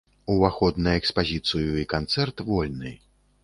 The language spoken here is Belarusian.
Уваход на экспазіцыю і канцэрт вольны.